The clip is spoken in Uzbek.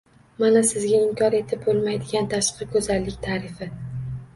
Mana sizga inkor etib bo`lmaydigan tashqi go`zallik ta`rifi